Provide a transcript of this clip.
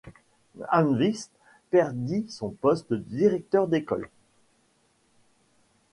Almqvist perdit son poste de directeur d'école.